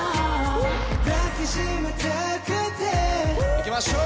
いきましょう！